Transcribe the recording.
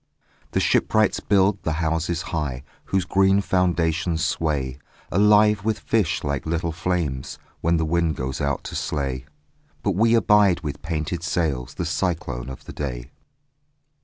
The shipwrights build the houses high, Whose green foundations sway Alive with fish like little flames, When the wind goes out to slay. But we abide with painted sails The cyclone of the day.